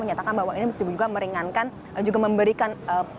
menyatakan bahwa ini juga meringankan juga memberikan